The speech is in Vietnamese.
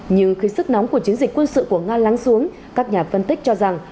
như khi sức nóng của chiến dịch quân sự của nga lắng xuống các nhà phân tích cho rằng